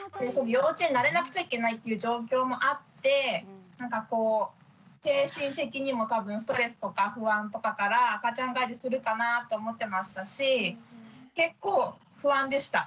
幼稚園に慣れなくちゃいけないっていう状況もあって精神的にも多分ストレスとか不安とかから赤ちゃん返りするかなと思ってましたし結構不安でした。